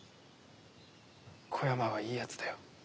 小山はいいやつだよ。